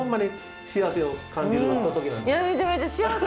めちゃめちゃ幸せ